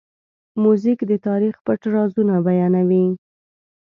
موزیک د تاریخ پټ رازونه بیانوي.